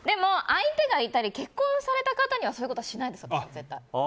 相手がいたり結婚された方にはそういうことしないです。